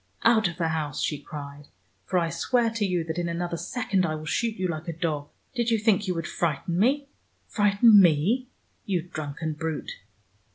"Out of the house," she cried, "for I swear to you that in another second I will shoot you like a dog. Did you think you would frighten me? Frighten me! you drunken brute."